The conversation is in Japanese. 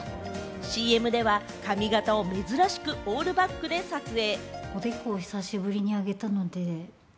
ＣＭでは髪形を珍しくオールバックで撮影。